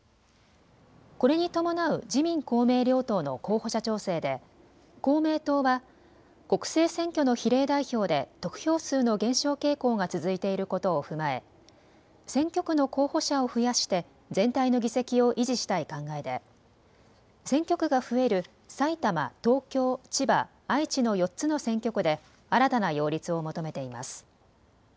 これに伴う自民公明両党の候補者調整で公明党は国政選挙の比例代表で得票数の減少傾向が続いていることを踏まえ選挙区の候補者を増やして全体の議席を維持したい考えで選挙区が増える埼玉、東京、千葉、愛知の４つの選挙区で新たな擁立を求めています。